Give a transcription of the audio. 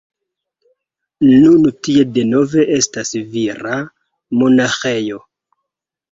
Nun tie denove estas vira monaĥejo.